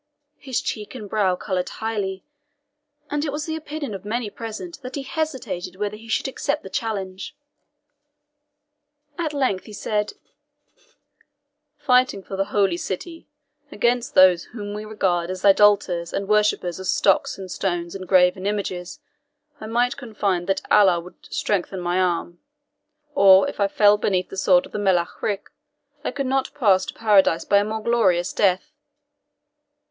His cheek and brow coloured highly, and it was the opinion of many present that he hesitated whether he should accept the challenge. At length he said, "Fighting for the Holy City against those whom we regard as idolaters and worshippers of stocks and stones and graven images, I might confide that Allah would strengthen my arm; or if I fell beneath the sword of the Melech Ric, I could not pass to Paradise by a more glorious death.